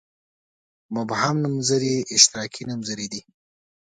مبهم نومځري اشتراکي نومځري دي.